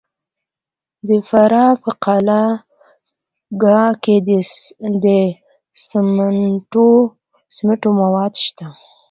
د فراه په قلعه کاه کې د سمنټو مواد شته.